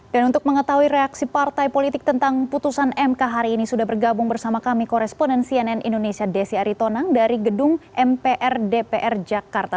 dan untuk mengetahui reaksi partai politik tentang putusan mk hari ini sudah bergabung bersama kami koresponen cnn indonesia desi aritonang dari gedung mpr dpr jakarta